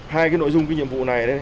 hai cái nội dung cái nhiệm vụ này